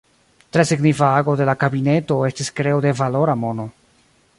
Tre signifa ago de la kabineto estis kreo de valora mono.